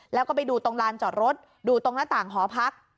แล้วก็ไปดูตรงลานจอดรถดูตรงหน้าต่างหอพัก